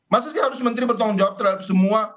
masa sih harus menteri bertanggung jawab terhadap semua